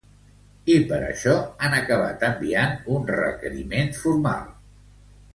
I per això han acabat enviant un requeriment formal.